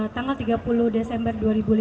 tanggal tiga puluh desember dua ribu lima belas